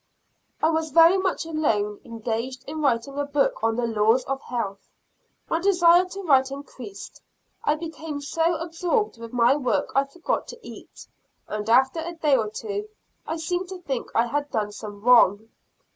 I was very much alone, engaged in writing a book on the laws of health. My desire to write increased; I became so absorbed with my work I forgot to eat, and, after a day or two, I seemed to think I had done some wrong.